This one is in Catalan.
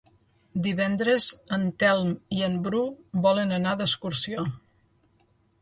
Divendres en Telm i en Bru volen anar d'excursió.